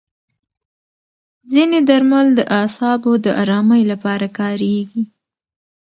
ځینې درمل د اعصابو د ارامۍ لپاره کارېږي.